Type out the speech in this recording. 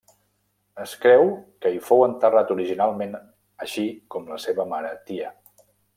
Es creu que hi fou enterrat originalment així com la seva mare Tia.